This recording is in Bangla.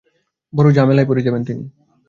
বড় ঝামেলায় পড়ে যাবেন তিনি।